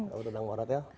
untuk tanggung marat ya